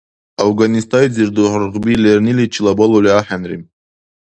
Афганистайзир дургъби лерниличилара балули ахӀенри.